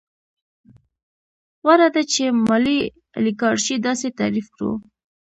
غوره ده چې مالي الیګارشي داسې تعریف کړو